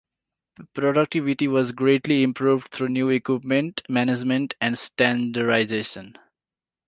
Productivity was greatly improved through new equipment, management, and standardization.